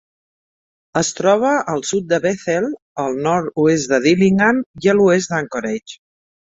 Es troba al sud de Bethel, al nord-oest de Dillingham i a l'oest d'Anchorage.